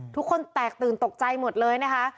ทุกคนแตกตื่นตกใจหมดเลยนะคะ